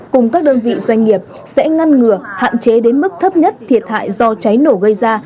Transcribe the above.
cùng các đơn vị doanh nghiệp sẽ ngăn ngừa hạn chế đến mức thấp nhất thiệt hại do cháy nổ gây ra